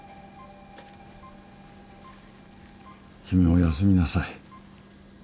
君も休みなさい。